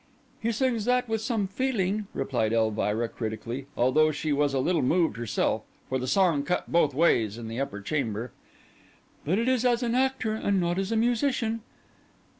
"He sings that with some feeling," replied Elvira, critically, although she was a little moved herself, for the song cut both ways in the upper chamber; "but it is as an actor and not as a musician."